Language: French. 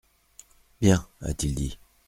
«Bien, a-t-il dit.